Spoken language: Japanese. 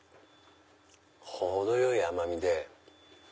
程よい甘みで。